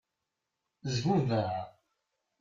Zbubeɛ.